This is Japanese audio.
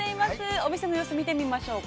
お店の様子を見てみましょうか。